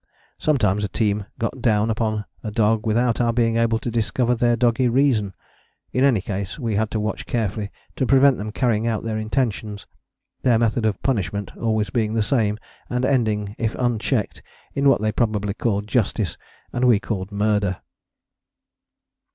Sometimes a team got a down upon a dog without our being able to discover their doggy reason. In any case we had to watch carefully to prevent them carrying out their intentions, their method of punishment always being the same and ending, if unchecked, in what they probably called justice, and we called murder.